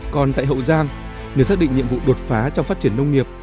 còn tại hậu giang nhờ xác định nhiệm vụ đột phá trong phát triển nông nghiệp